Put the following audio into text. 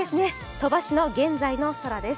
鳥羽市の現在の空です。